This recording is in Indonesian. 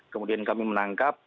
kemudian kami menangkap